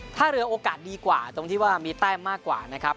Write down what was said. ถ้าเรือโอกาสดีกว่าตรงที่ว่ามีแต้มมากกว่านะครับ